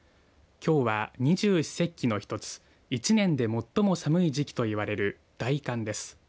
きょうは二十四節気の一つ１年で最も寒い時期といわれる大寒です。